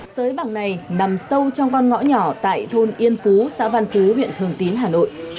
sới bạc này nằm sâu trong con ngõ nhỏ tại thôn yên phú xã văn phú huyện thường tín hà nội